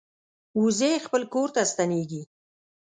وزې خپل کور ته ستنېږي